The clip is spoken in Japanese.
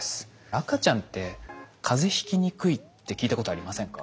赤ちゃんって風邪ひきにくいって聞いたことありませんか？